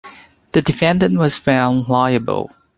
The defendant was found liable.